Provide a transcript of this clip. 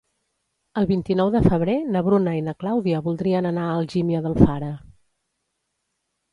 El vint-i-nou de febrer na Bruna i na Clàudia voldrien anar a Algímia d'Alfara.